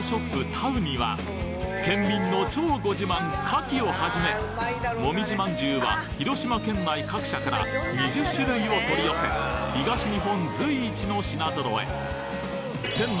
ＴＡＵにはケンミンの超ご自慢牡蠣をはじめもみじ饅頭は広島県内各社から２０種類を取り寄せ東日本随一の品揃え店内